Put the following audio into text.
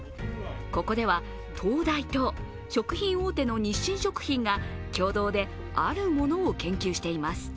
ここでは、東大と食品大手の日清食品が共同であるものを研究しています。